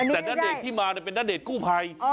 แต่ณเดชน์ที่มาเป็นณเดชนกู้ภัย